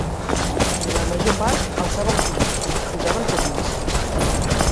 La major part alçaven pisos, posaven cornises